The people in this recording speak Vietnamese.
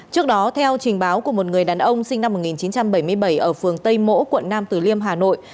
trước đó theo trình báo của một người đàn ông sinh năm một nghìn chín trăm bảy mươi bảy ở phường tây mỗ quận nam tử liêm hà nội